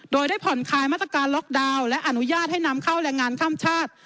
โดยได้ผ่อนคลายมาตรการล็อกดาวน์และอนุญาตให้นำเข้าแรงงานข้ามชาติ